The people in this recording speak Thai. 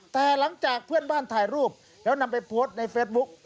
แต่หลังจากเพื่อนบ้านถ่ายรูปแล้วนำไปโพสต์ในเฟซบุ๊ก